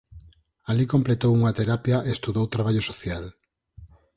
Alí completou unha terapia e estudou traballo social.